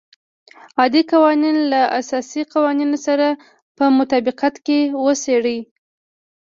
عادي قوانین له اساسي قوانینو سره په مطابقت کې وڅېړي.